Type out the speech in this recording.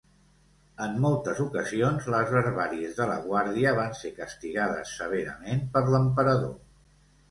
En moltes ocasions, les barbàries de la guàrdia van ser castigades severament per l'emperador.